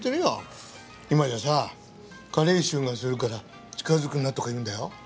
今じゃさ加齢臭がするから近づくなとか言うんだよ。